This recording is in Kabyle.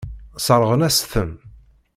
Sseṛɣen-as-ten.